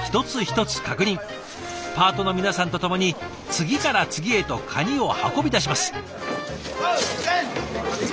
パートの皆さんと共に次から次へとカニを運び出します。